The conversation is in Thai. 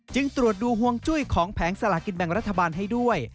จึงตรวจดูห่วงจุ้ยของแผงสลากินแบ่งรัฐบาลให้ด้วย